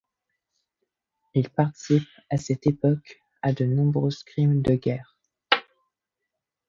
Il participe à cette époque à de nombreux crimes de guerre.